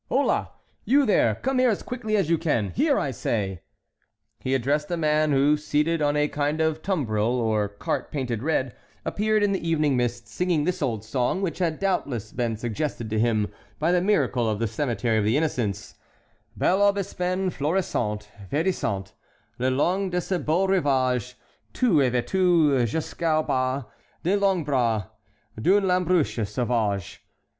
"Holá! you, there, come here as quickly as you can—here, I say"— He addressed a man who, seated on a kind of tumbril or cart painted red, appeared in the evening mist singing this old song, which had doubtless been suggested to him by the miracle of the Cemetery of the Innocents: "Bel aubespin fleurissant Verdissant, Le long de ce beau rivage, Tu es vétu, jusqu'au bas Des longs bras D'une lambrusche sauvage.